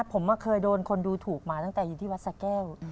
ผมเคยโดนคนดูถูกมาตั้งแต่อยู่ที่วัดสะแก้ว